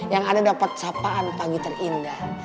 yang ada dapat sapaan pagi terindah